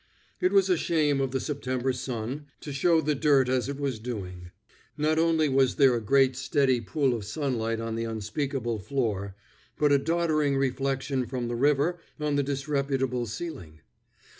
It was a shame of the September sun to show the dirt as it was doing; not only was there a great steady pool of sunlight on the unspeakable floor, but a doddering reflection from the river on the disreputable ceiling.